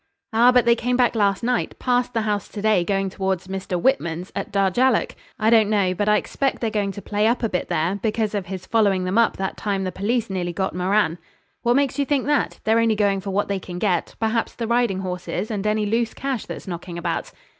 'Ah! but they came back last night, passed the house to day going towards Mr. Whitman's, at Darjallook. I don't know, but I expect they're going to play up a bit there, because of his following them up that time the police nearly got Moran.' 'What makes you think that? They're only going for what they can get; perhaps the riding horses and any loose cash that's knocking about.'